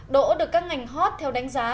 đỗ được các ngành hot theo đánh giá